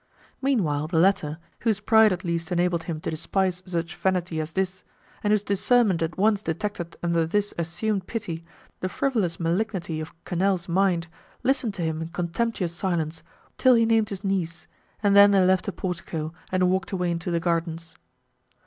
Meanwhile, the latter, whose pride at least enabled him to despise such vanity as this, and whose discernment at once detected under this assumed pity, the frivolous malignity of Quesnel's mind, listened to him in contemptuous silence, till he named his niece, and then they left the portico, and walked away into the gardens.